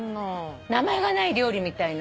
名前がない料理みたいな。